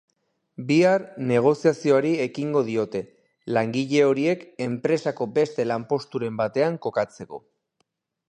Bihar negoziazioari ekingo diote, langile horiek enpresako beste lanposturen batean kokatzeko.